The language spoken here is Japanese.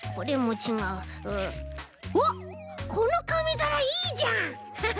あっこのかみざらいいじゃん！ハハハ。